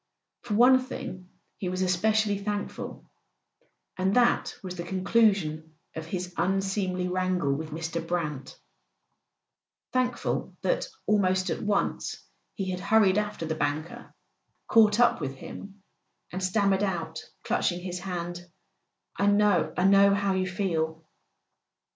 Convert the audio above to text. For one thing he was especially thankful— and that was the conclusion of his unseemly wrangle ■with Mr. Brant; thankful that, almost at once, he had hurried after the banker, caught up with him, and stammered out, clutching his hand: "I know—I know how you feel."